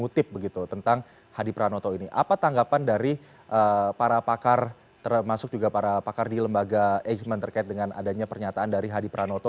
termasuk juga para pakar di lembaga agement terkait dengan adanya pernyataan dari hadi pranoto